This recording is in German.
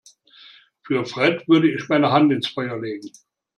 Für Fred würde ich meine Hand ins Feuer legen.